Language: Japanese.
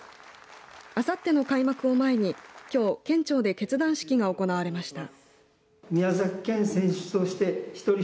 あさっての開幕を前に、きょう県庁で結団式が行われました。